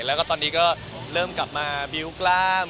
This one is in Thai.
แล้วก็ตอนนี้ก็เริ่มกลับมาบิ้วกล้าม